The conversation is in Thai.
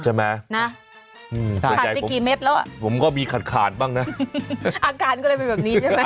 จะมั้ยสะใจผมผมก็มีขาดขาดบ้างนะอาการก็เลยเป็นแบบนี้ใช่ไหม